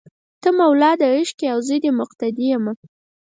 ته مولا دې عشق یې او زه دې مقتدي یمه